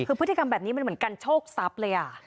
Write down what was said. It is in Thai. คือพฤติกรรมแบบนี้มันเหมือนกันโชคทรัพย์เลย